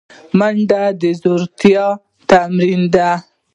منډه د زړورتیا تمرین دی